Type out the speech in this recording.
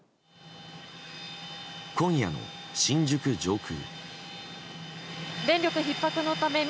今夜の新宿上空。